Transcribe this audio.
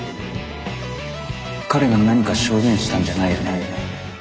彼が何か証言したんじゃないよね？